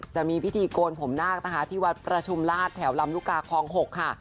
จะมีพิธีโกนผมนาคนะคะที่วัดประชุมราชแถวลำลูกกาคลอง๖ค่ะ